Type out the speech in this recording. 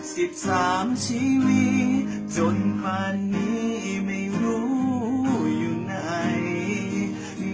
สิบสามชีวิตจนวันนี้ไม่รู้อยู่ไหน